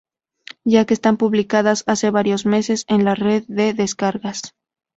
ya que están publicadas hace varios meses en la Red de Descargas